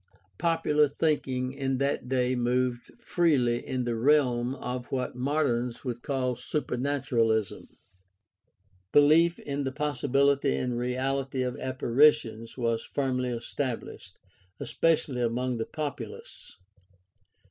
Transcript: Popular thinking in that day moved freely in the realm of what moderns would call supernaturahsm. BeHef in the possibility and reahty of apparitions was firmly established, especially among the populace.